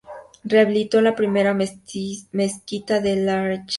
Rehabilitó la primera mezquita de Larache.